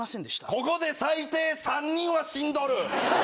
ここで最低３人はしんどる。